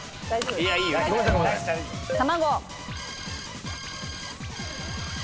卵。